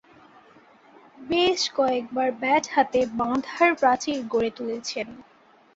বেশ কয়েকবার ব্যাট হাতে বাঁধার প্রাচীর গড়ে তুলেছেন।